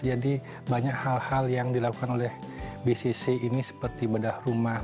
jadi banyak hal hal yang dilakukan oleh bcc ini seperti bedah rumah